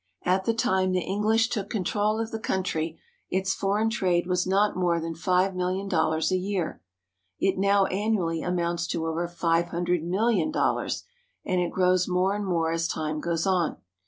At the time the EngHsh took con trol of the country, its foreign trade was not more than five million dollars a year. It now annually amounts to over five hundred million dollars, and it grows more and more as time goes on.